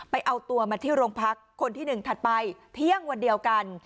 ไปเอาตัวมาที่โรงพักคนที่๑ถัดไปเที่ยงวันเดียวกัน